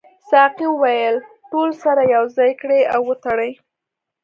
ساقي وویل ټول سره یو ځای کړئ او وتړئ.